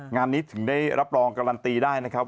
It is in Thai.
งานนี้ถึงได้รับรองการันตีได้นะครับ